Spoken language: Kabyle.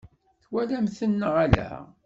Twalam-tent neɣ ala?